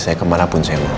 kok kamu mau dateng sama nung